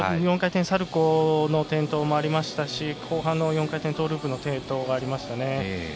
４回転サルコーの転倒もありましたし後半の４回転トーループでも転倒がありましたね。